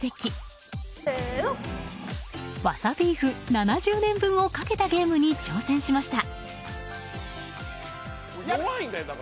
７０年分をかけたゲームに挑戦しました。